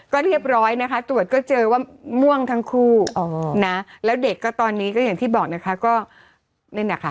ก็เรียบร้อยนะคะตรวจก็เจอว่าม่วงทั้งคู่นะแล้วเด็กก็ตอนนี้ก็อย่างที่บอกนะคะก็นั่นนะคะ